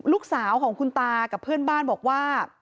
ลูกสาวของคุณตากับเพื่อนบ้านบอกว่า